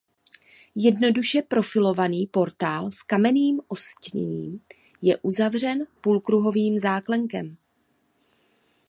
Jednoduše profilovaný portál s kamenným ostěním je uzavřen půlkruhovým záklenkem.